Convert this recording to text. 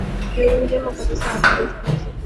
jioni njema kwa sasa habari habari ha muziki